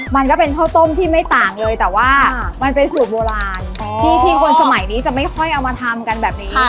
มันก็เป็นข้าวต้มที่ไม่ต่างเลยแต่ว่ามันเป็นสูตรโบราณที่คนสมัยนี้จะไม่ค่อยเอามาทำกันแบบนี้